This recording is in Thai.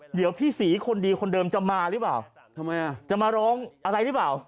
เดี๋ยวพี่ศรีคนดีคนเดิมจะมาหรือเปล่าทำไมอ่ะจะมาร้องอะไรหรือเปล่า